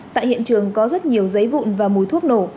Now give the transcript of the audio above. tại hiện trường có rất nhiều giấy vụn và mùi thuốc nổ